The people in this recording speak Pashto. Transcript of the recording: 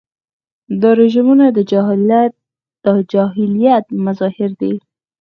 دا رژیمونه د جاهلیت مظاهر دي.